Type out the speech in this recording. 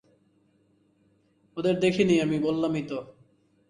ওদের দেখিনি আমি বললামই তো!